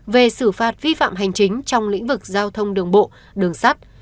về xử phạt vi phạm hành chính trong lĩnh vực giao thông đường bộ đường sắt